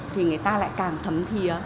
thì người ta lại càng thấm thiế